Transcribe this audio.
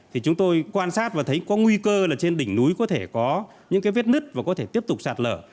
thì chúng tôi quan sát và thấy có nguy cơ là trên đỉnh núi có thể có những cái vết nứt và có thể tiếp tục sạt lở